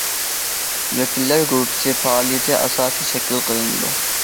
ۋەكىللەر گۇرۇپپىسى پائالىيىتى ئاساسىي شەكىل قىلىنىدۇ.